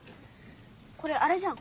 これあれじゃん。